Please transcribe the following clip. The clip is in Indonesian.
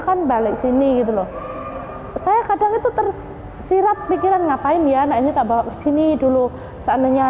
kan balik sini gitu loh saya kadang itu tersirat pikiran ngapain ya anak ini tak bawa ke sini dulu seandainya